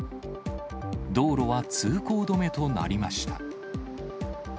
道路は通行止めとなりました。